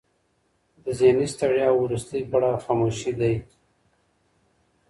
د ذهني ستړیا وروستی پړاو خاموشي دی.